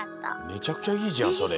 めちゃくちゃいいじゃんそれ。